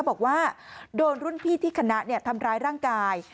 บอกว่าโดนรุ่นพี่ที่คณะทำร้ายร่างกาย